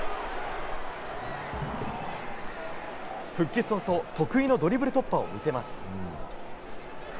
復帰早々得意のドリブル突破を見せます。